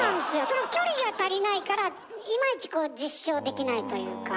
その距離が足りないからイマイチこう実証できないというか。